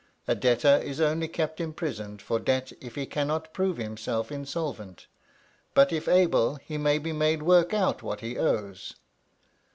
A debtor is only kept imprisoned for debt if he cannot prove himself insolvent; but if able, he may be made work out what he owes.